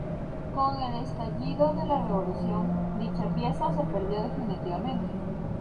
Con el estallido de la Revolución, dicha pieza se perdió definitivamente.